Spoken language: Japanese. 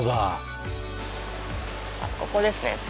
ここですね。